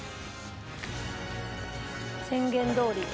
宣言どおり。